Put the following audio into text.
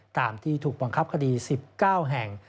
ตามที่ถูกบังคับคดี๑๙แห่ง